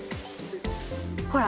ほら！